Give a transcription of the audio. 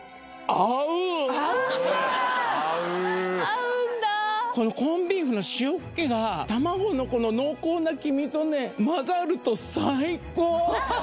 合うんだこのコンビーフの塩っけが卵のこの濃厚な黄身とね混ざると最高！